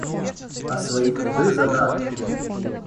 А свои труды задаром.